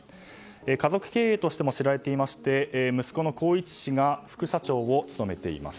家族経営としても知られていて息子の宏一氏が副社長を務めています。